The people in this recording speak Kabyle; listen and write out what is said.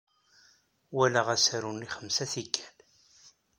Walaɣ asaru-nni xemsa n tikkal.